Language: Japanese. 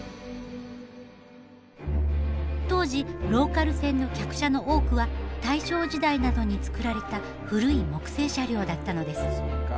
当時ローカル線の客車の多くは大正時代などに作られた古い木製車両だったのです。